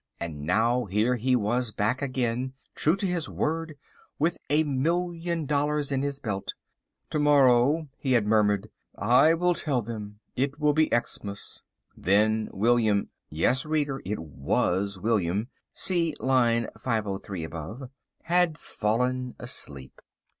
And now here he was back again, true to his word, with a million dollars in his belt. "To morrow," he had murmured, "I will tell them. It will be Xmas." Then William—yes, reader, it was William (see line 503 above) had fallen asleep.